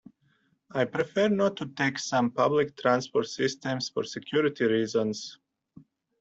I prefer not to take some public transport systems for security reasons.